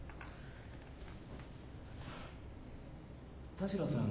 田代さん